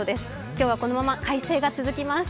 今日は、このまま快晴が続きます。